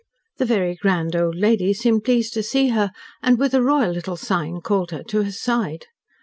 The very grand old lady seemed pleased to see her, and, with a royal little sign, called her to her side.